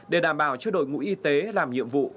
để đảm bảo cho đội ngũ y tế làm nhiệm vụ